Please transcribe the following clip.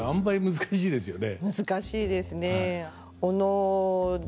難しいですね。